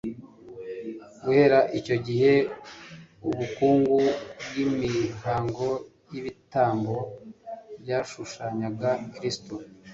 Guhera icyo gihe ubukungu bw'imihango y'ibitambo byashushanyaga Kristo